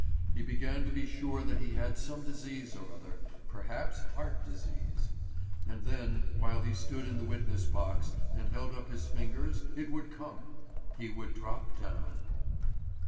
He began to be sure that he had some disease or other, perhaps heart disease. And then, while he stood in the witness box and held up his fingers, it would come. He would drop down.